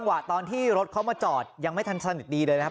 วะตอนที่รถเขามาจอดยังไม่ทันสนิทดีเลยนะครับ